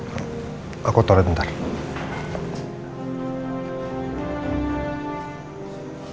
lain kali nino nggak perlu tahu kalau andin itu sudah baik baik saja